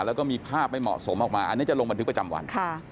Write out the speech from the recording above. แล้วก็มีภาพไม่เหมาะสมออกมาอันนี้จะลงบันทึกประจำวัน